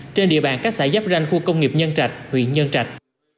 trên địa bàn các xã giáp ranh khu công nghiệp nhân trạch huyện nhân trạch